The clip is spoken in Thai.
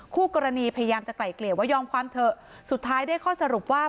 คู่กรณีพยายามจะไกลเกลี่ยว่ายอมความเถอะสุดท้ายได้ข้อสรุปว่า